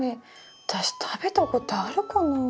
私食べたことあるかな？